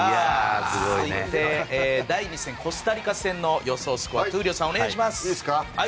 第２戦のコスタリカ戦の予想スコアを闘莉王さん、お願いします。